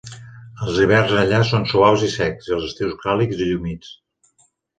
Els hiverns allà són suaus i secs, i els estius càlids i humits.